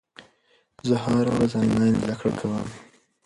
زه هره ورځ انلاین زده کړه کوم.